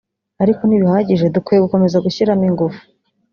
ariko ntibihagije dukwiye gukomeza gushyiramo ingufu